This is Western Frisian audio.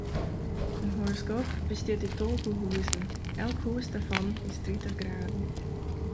In horoskoop bestiet út tolve huzen, elk hûs dêrfan is tritich graden.